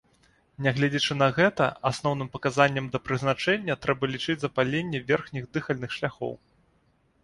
Нягледзячы на гэта, асноўным паказаннем да прызначэння трэба лічыць запаленне верхніх дыхальных шляхоў.